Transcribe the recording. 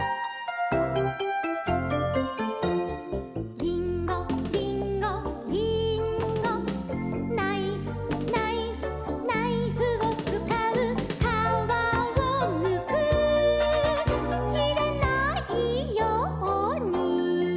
「りんごりんごりんご」「ナイフナイフナイフをつかう」「かわをむくきれないように」